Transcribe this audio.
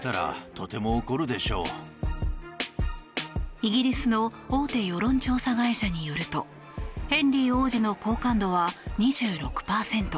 イギリスの大手世論調査会社によるとヘンリー王子の好感度は２６％。